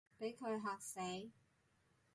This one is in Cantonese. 畀佢嚇死